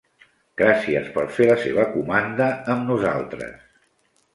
Gràcies per fer la seva comanda amb nosaltres.